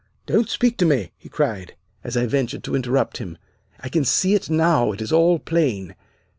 "'Don't speak to me,' he cried, as I ventured to interrupt him. 'I can see it now. It is all plain.